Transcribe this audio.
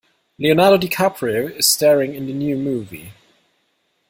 Leonardo DiCaprio is staring in the new movie.